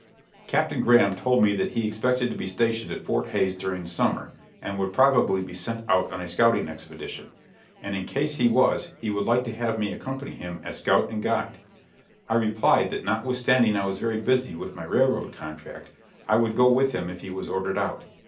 Captain Graham told me that he expected to be stationed at Fort Hays during the summer, and would probably be sent out on a scouting expedition, and in case he was he would like to have me accompany him as scout and guide. I replied that notwithstanding I was very busy with my railroad contract I would go with him if he was ordered out.